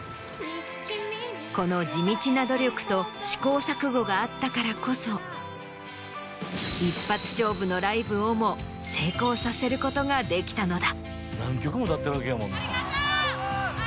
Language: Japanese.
この地道な努力と試行錯誤があったからこそ一発勝負のライブをも成功させることができたのだ。